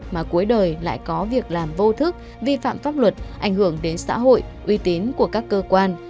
mà cuối đời lại có việc làm vô thức vi phạm pháp luật ảnh hưởng đến xã hội uy tín của các cơ quan